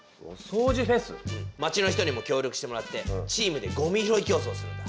町の人にも協力してもらってチームでゴミ拾い競争をするんだ。